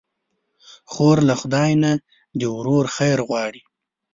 خور له خدای نه د ورور خیر غواړي.